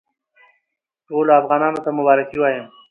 ټولو افغانانو ته مبارکي وایم.